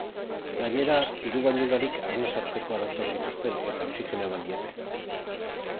Gainera, hiru bainularik arnasa hartzeko arazoak zituzten, eta oxigenoa eman diete.